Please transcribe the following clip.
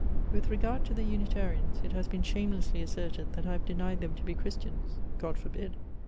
With regard to the Unitarians, it has been shamelessly asserted, that I have denied them to be Christians. God forbid!